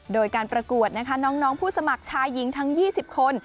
โดยการประกวดนะคะน้องผู้สมัครชายหญิงทั้ง๒๐คน